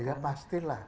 betul oh ya pastilah